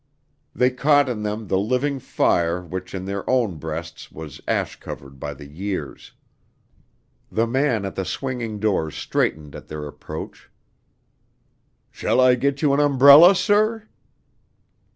They caught in them the living fire which in their own breasts was ash covered by the years. The man at the swinging doors straightened at their approach. "Shall I get you an umbrella, sir?"